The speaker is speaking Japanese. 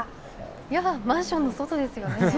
やだ、マンションの外ですよね。